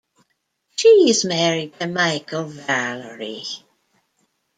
She is married to Michael Valerie.